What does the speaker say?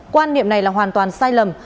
quan niệm này là hoàn toàn sai lầm